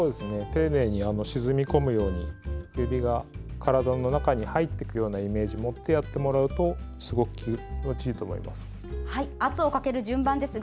丁寧に沈み込むように指が体の中に入っていくようなイメージを持ってやってもらうとすごく気持ちいいと思います。